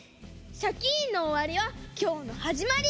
「シャキーン！」のおわりはきょうのはじまり！